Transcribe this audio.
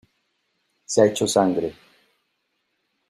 se ha hecho sangre.